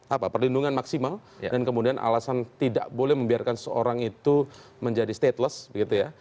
apa perlindungan maksimal dan kemudian alasan tidak boleh membiarkan seorang itu menjadi stateless begitu ya